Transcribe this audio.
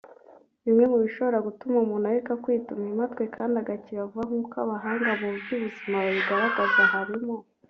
Bimwe mu bishobora gutuma umuntu areka kwituma impatwe kandi agakira vuba nkuko abahanga mu by’ubuzima babigaragaza harimo